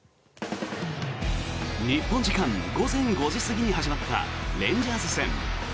日本時間午前５時過ぎに始まったレンジャーズ戦。